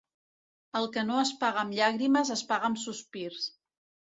El que no es paga amb llàgrimes es paga amb sospirs.